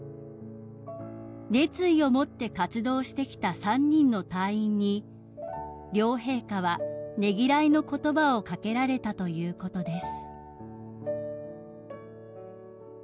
［熱意を持って活動してきた３人の隊員に両陛下はねぎらいの言葉を掛けられたということです］